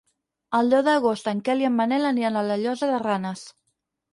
El deu d'agost en Quel i en Manel aniran a la Llosa de Ranes.